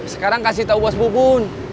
sekarang kasih tahu bos bubun